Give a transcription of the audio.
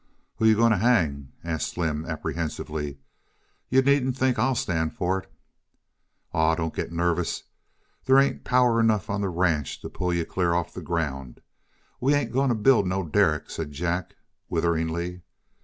"Who yuh goin' t' hang?" asked Slim, apprehensively. "Yuh needn't think I'LL stand for it." "Aw, don't get nervous. There ain't power enough on the ranch t' pull yuh clear of the ground. We ain't going to build no derrick," said Jack, witheringly.